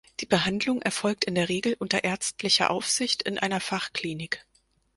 Die Behandlung erfolgt in der Regel unter ärztlicher Aufsicht in einer Fachklinik.